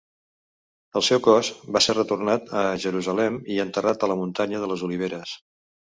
El seu cos va ser retornat a Jerusalem i enterrat a la muntanya de les oliveres.